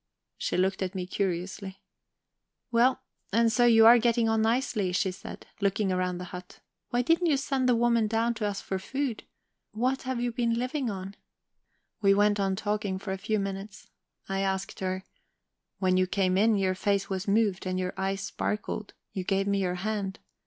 She looked at me curiously. "Well, and so you are getting on nicely," she said, looking around the hut. "Why didn't you send the woman down to us for food? What have you been living on?" We went on talking for a few minutes. I asked her: "When you came in, your face was moved, and your eyes sparkled; you gave me your hand.